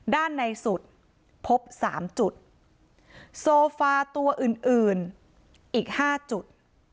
ด้านในสุดพบสามจุดโซฟาตัวอื่นอื่นอีกห้าจุด